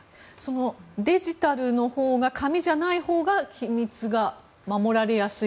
デジタルのほうが紙じゃないほうが秘密が守られやすい？